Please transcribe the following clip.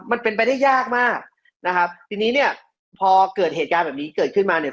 มันเป็นไปได้ยากมากนะครับทีนี้เนี่ยพอเกิดเหตุการณ์แบบนี้เกิดขึ้นมาเนี่ย